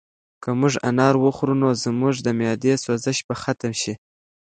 که موږ انار وخورو نو زموږ د معدې سوزش به ختم شي.